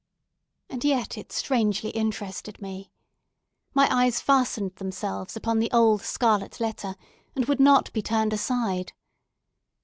And yet it strangely interested me. My eyes fastened themselves upon the old scarlet letter, and would not be turned aside.